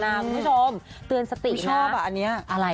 คุณผู้ชมเตือนสตินะ